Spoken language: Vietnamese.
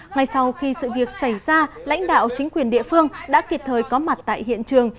ngay sau khi sự việc xảy ra lãnh đạo chính quyền địa phương đã kịp thời có mặt tại hiện trường